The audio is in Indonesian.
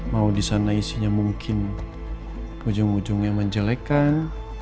mau di sana isinya mungkin ujung ujungnya menjelekan